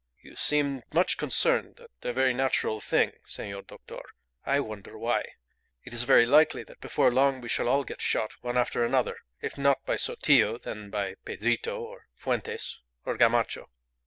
"You seem much concerned at a very natural thing, senor doctor. I wonder why? It is very likely that before long we shall all get shot one after another, if not by Sotillo, then by Pedrito, or Fuentes, or Gamacho.